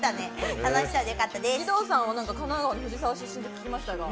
義堂さんは神奈川の藤沢出身と聞きましたが。